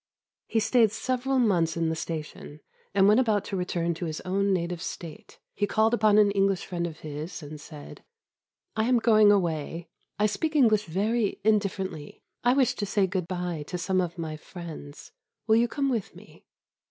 He stayed several months in the station, and when about to return to his own native state, he called upon an English friend of his and said, "I am going away; I speak English very indifferently; I wish to say good bye to some of my friends: will you come with me?"